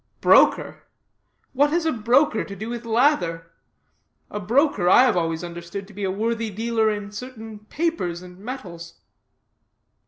"Broker? What has a broker to do with lather? A broker I have always understood to be a worthy dealer in certain papers and metals."